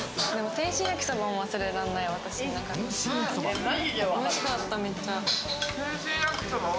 天津焼きそばも忘れられない、私の中では。